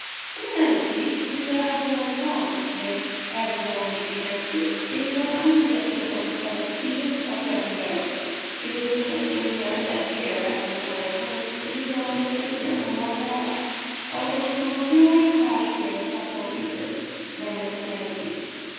In the Manatee the tail has another form, which, as has already been mentioned, is not unsuggestive of the tail of the foetus of certain whales. It is interesting to notice that here, as in some other points, the Dugong and the Rhytina are more whale like, or at least more purely aquatic in their structural features, than is the Manatee.